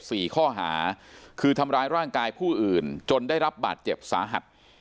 สี่ข้อหาคือทำร้ายร่างกายผู้อื่นจนได้รับบาดเจ็บสาหัส